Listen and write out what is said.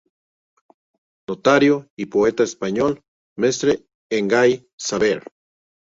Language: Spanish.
Notario y poeta español, Mestre en Gai Saber.